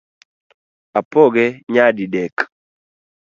Apoge nyadidek